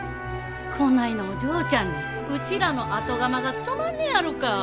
こないなお嬢ちゃんにうちらの後釜が務まんねやろか？